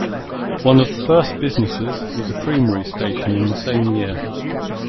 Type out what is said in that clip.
One of the first businesses was a creamery station in the same year.